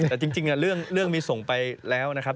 แต่จริงเรื่องมีส่งไปแล้วนะครับ